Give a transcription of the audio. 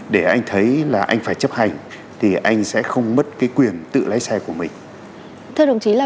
để anh thấy là anh phải chấp hành thì anh sẽ không mất cái quyền tự lái xe của mình thưa đồng chí là